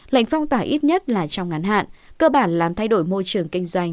lệnh phong tỏa ít nhất là trong ngắn hạn cơ bản làm thay đổi môi trường kinh doanh